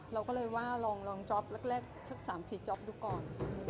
เราก็เลยว่าลองจ๊อปแรกสัก๓๔จ๊อปดูก่อน